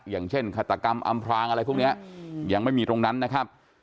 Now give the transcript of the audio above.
อย่างเช่นฆาตกรรมอำพรางอะไรพวกนี้ยังไม่มีตรงนั้นนะครับ